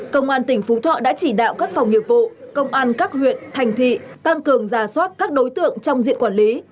công an tỉnh phú thọ đã chỉ đạo các phòng nghiệp vụ công an các huyện thành thị tăng cường giả soát các đối tượng trong diện quản lý